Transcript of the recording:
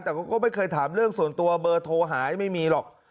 แต่ก็ไม่เคยถามเรื่องส่วนตัวเบอร์โทรหายไม่มีหรอก